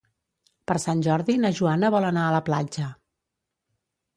Per Sant Jordi na Joana vol anar a la platja.